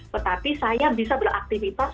tetapi saya bisa beraktifitas